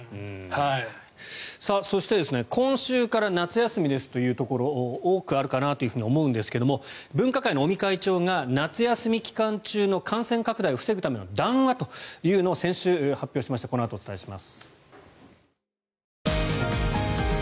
そして、今週から夏休みですというところ多くあるかなと思うんですが分科会の尾身会長が分科会の尾身会長が夏休み期間中の感染拡大を防ぐための談話を先週の金曜日に発表しております。